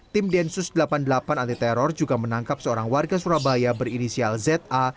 tim densus delapan puluh delapan anti teror juga menangkap seorang warga surabaya berinisial za